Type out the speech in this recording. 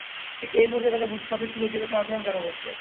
ঠিক এই মুহূর্তে তাঁকে বুঝতে হবে, ফিরোজ এরকম আচরণ কেন করছে।